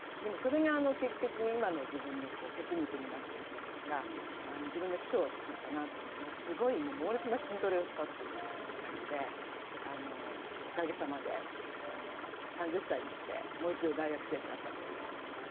それが結局、今の自分の血肉になってるといいますか自分の基礎を作ったのと猛烈な筋トレをしたという感じでおかげさまで３０歳にしてもう一度大学生になったと。